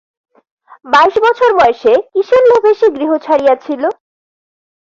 বাইশ বছর বয়সে কিসের লোভে সে গৃহ ছাড়িয়ছিল?